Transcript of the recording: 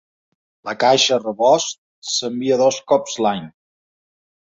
La caixa "rebost" s'envia dos cops l'any.